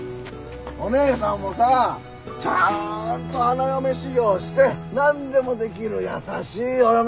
お姉さんもさちゃんと花嫁修業して何でもできる優しいお嫁さんになりなね。